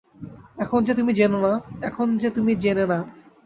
এখন যে তুমি জেনেনা!